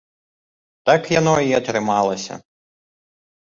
Так яно і атрымалася!